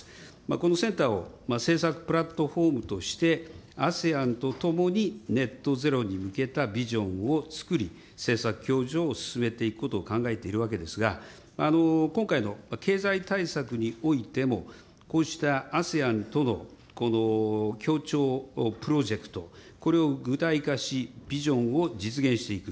このセンターを政策プラットホームとして、ＡＳＥＡＮと共にネットゼロに向けたビジョンを作り、政策を進めていくことを考えているわけですが、今回の経済対策においても、こうしたＡＳＥＡＮとの協調プロジェクト、これを具体化し、ビジョンを実現していく。